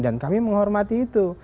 dan kami menghormati itu